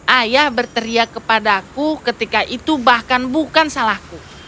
ayah berteriak kepadaku ketika itu bahkan bukan salahku